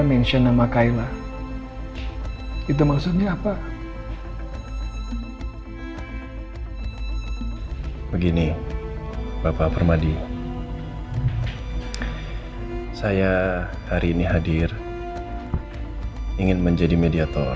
mention nama kayla itu maksudnya apa begini bapak permadi saya hari ini hadir ingin menjadi mediator